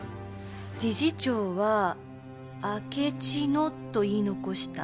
理事長は「あけちの」と言い残した。